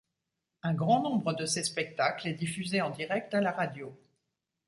Un grand nombre de ces spectacles est diffusé en direct à la radio.